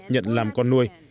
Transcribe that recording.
nhận làm con nuôi